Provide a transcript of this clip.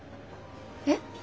えっ？